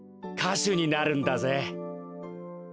しゅになるんだぜ。